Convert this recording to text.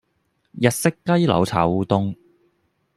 日式雞柳炒烏冬